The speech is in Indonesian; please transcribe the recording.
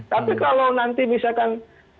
tapi kalau nanti misalkan